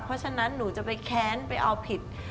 เพราะฉะนั้นหนูจะไปแค้นไปเอาผิด